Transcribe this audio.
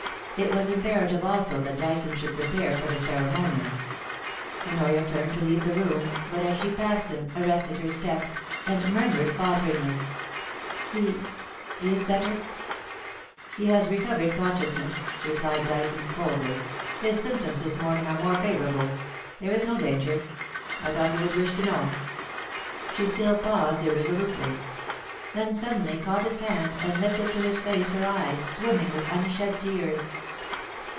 It was imperative also that Dyson should prepare for the ceremonial Honoria turned to leave the room, but as she passed him, arrested her steps, and murmured falteringly :* He — he is better ?'* He has recovered consciousness,' replied Dyson, coldly. * His symptoms this morning are more favourable. There is no danger. I thought you. would wish to know.' She still paused irresolutely; then suddenly caught his hand, and lifted to his face her eyes, swimming with unshed tears.